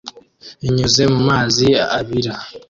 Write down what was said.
inyuze mumazi abira